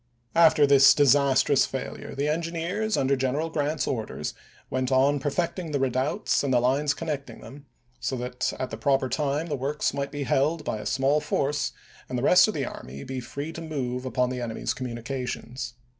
After this disastrous failure the engineers, under General Grant's orders, went on perfecting the redoubts and the lines connecting them so that at the proper time the works might be held by a small force and the rest of the army be free to move upon the enemy's communications.